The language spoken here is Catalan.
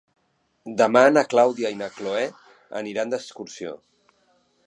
Demà na Clàudia i na Cloè aniran d'excursió.